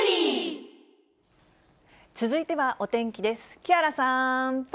続いてはお天気です。